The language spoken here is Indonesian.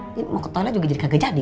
ini mau ke toilet juga jadi kagak jadi